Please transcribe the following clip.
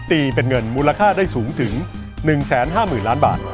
ตีเป็นเงินมูลค่าได้สูงถึง๑๕๐๐๐ล้านบาท